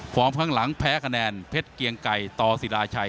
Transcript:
ฟอร์มข้างหลังแพ้กระแนนเพชรเกียงไก่ตอสิราชัย